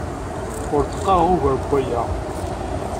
Ur d-qqaṛeɣ ugar n waya.